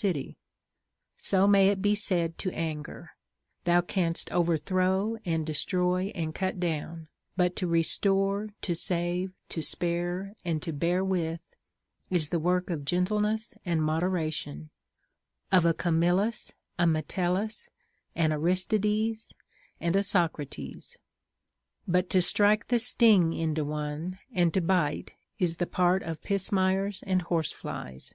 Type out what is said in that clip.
city ; so may it be said to anger, Thou canst overthrow, and destroy, and cut down ; but to restore, to save, to spare, and to bear with, is the work of gentleness and moderation, of a Camilkis, a Metellus, an Aristides, and a Socrates ; but to strike the sting into one and to bite is the part of pismires and horse flies.